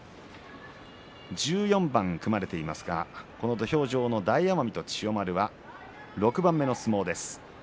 １４番、組まれていますが土俵上の大奄美と千代丸は６番目の相撲です。